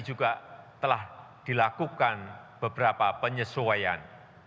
juga telah dilakukan beberapa penyesuaian